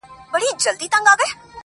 چاته د يار خبري ډيري ښې دي,a